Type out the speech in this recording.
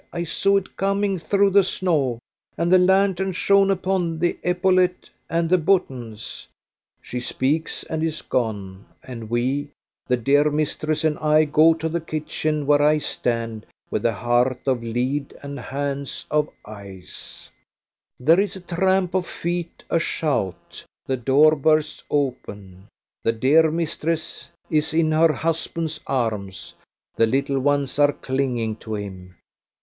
I saw it coming through the snow, and the lantern shone upon the epaulette and the buttons." She speaks and is gone, and we, the dear mistress and I, go to the kitchen, where I stand, with a heart of lead and hands of ice. There is a tramp of feet, a shout, the door bursts open the dear mistress is in her husband's arms the little ones are clinging to him.